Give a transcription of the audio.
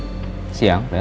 aku bisa membahagiakan reyna